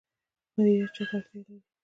مدیریت چا ته اړتیا لري؟